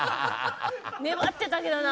粘ってたけどな。